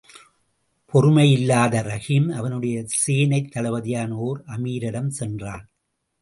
பொறுமையில்லாத ரஹீம் அவனுடைய சேனைக் தளபதியான ஓர் அமீரிடம் சென்றான்.